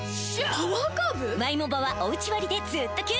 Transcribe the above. パワーカーブ